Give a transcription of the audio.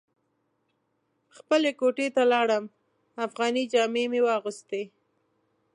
خپلې کوټې ته لاړم افغاني جامې مې واغوستې.